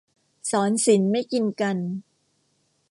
ศรศิลป์ไม่กินกัน